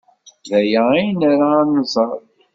D aya ay nra ad t-nẓer.